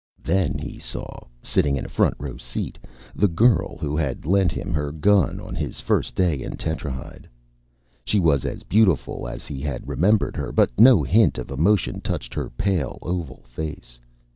Then he saw, sitting in a front row seat, the girl who had lent him her gun on his first day in Tetrahyde. She was as beautiful as he had remembered her; but no hint of emotion touched her pale, oval face.